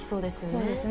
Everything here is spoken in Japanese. そうですね。